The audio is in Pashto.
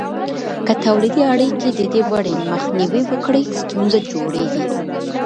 که تولیدي اړیکې د دې ودې مخنیوی وکړي، ستونزه جوړیږي.